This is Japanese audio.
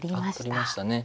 取りましたね。